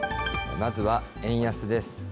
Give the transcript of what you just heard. まずは円安です。